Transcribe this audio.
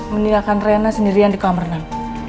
menilakan rena sendirian di komernan